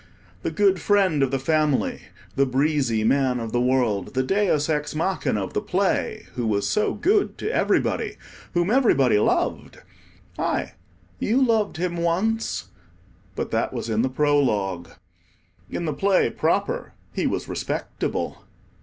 The good friend of the family, the breezy man of the world, the Deus ex Machina of the play, who was so good to everybody, whom everybody loved! aye, you loved him once—but that was in the Prologue. In the Play proper, he was respectable.